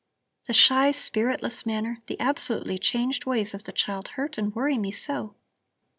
The shy, spiritless manner, the absolutely changed ways of the child hurt and worry me so.